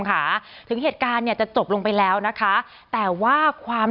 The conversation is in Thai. ค่ะถึงเหตุการณ์เนี่ยจะจบลงไปแล้วนะคะแต่ว่าความ